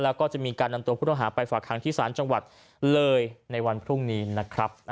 แล้วก็จะมีการนำตัวผู้ต้องหาไปฝากหางที่ศาลจังหวัดเลยในวันพรุ่งนี้นะครับ